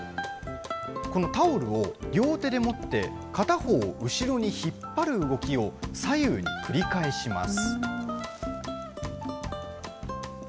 このタオルを両手で持って、片方を後ろに引っ張る動きを左右に繰り返します。